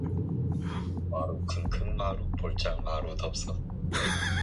영신은 침대에서 반쯤 몸을 일으키며 묻는다.